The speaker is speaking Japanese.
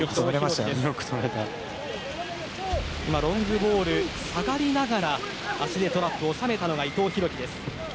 今、ロングボールを下がりながら、足でトラップして収めたのが伊藤洋輝。